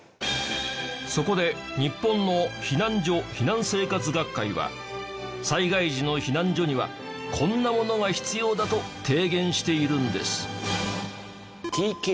そこで日本の避難所・避難生活学会は災害時の避難所にはこんなものが必要だと提言しているんです。